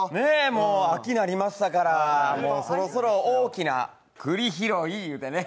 もう、秋になりましたからそろそろ大きな、栗拾い、いうてね。